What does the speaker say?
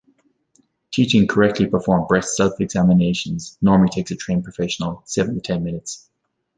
Teaching correctly performed breast self-examinations normally takes a trained professional seven to ten minutes.